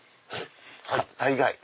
大概。